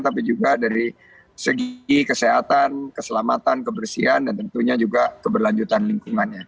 tapi juga dari segi kesehatan keselamatan kebersihan dan tentunya juga keberlanjutan lingkungannya